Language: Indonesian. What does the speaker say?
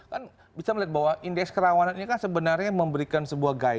kan bisa melihat bahwa indeks kerawanan ini kan sebenarnya memberikan sebuah guide